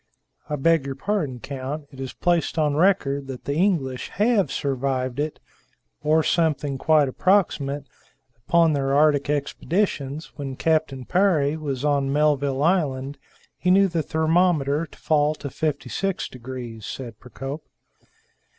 "I beg your pardon, count. It is placed on record that the English have survived it, or something quite approximate, upon their Arctic expeditions. When Captain Parry was on Melville Island, he knew the thermometer to fall to 56 degrees," said Procope.